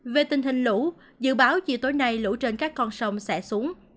về tình hình lũ dự báo chiều tối nay lũ trên các con sông sẽ xuống